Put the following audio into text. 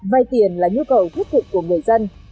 vay tiền là nhu cầu thích thịnh của người dân